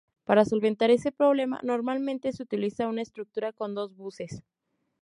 Para solventar ese problema normalmente se utiliza una estructura con dos buses.